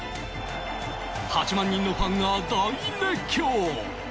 ８万人のファンが大熱狂！